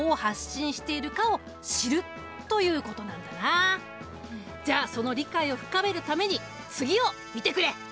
その第一歩がじゃあその理解を深めるために次を見てくれ！